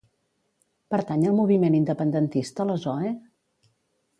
Pertany al moviment independentista la Zoe?